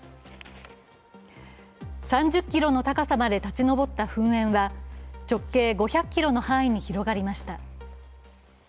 ３０ｋｍの高さまで立ち上った噴煙は、直径５００ｋｍの範囲に広がりました。